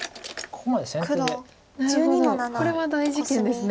これは大事件ですね。